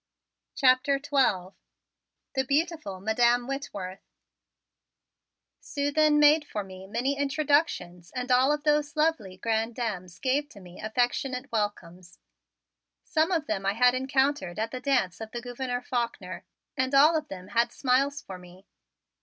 CHAPTER XII THE BEAUTIFUL MADAM WHITWORTH Sue then made for me many introductions and all of those lovely grande dames gave to me affectionate welcomes. Some of them I had encountered at the dance of the Gouverneur Faulkner and all of them had smiles for me.